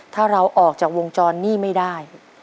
ถ้าเราออกจากวงจรหนี้ไม่ได้